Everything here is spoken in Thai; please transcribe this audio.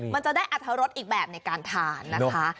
มันจะได้อรรถรสอีกแบบในการทานนะคะ